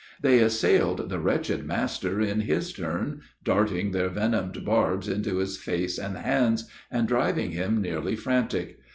They assailed the wretched master in his turn, darting their venomed barbs into his face and hands, and driving him nearly frantic.